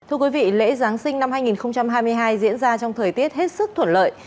thưa quý vị lễ giáng sinh năm hai nghìn hai mươi hai diễn ra trong thời tiết hết sức thuận lợi